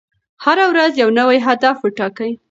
هره ورځ یو نوی هدف وټاکئ.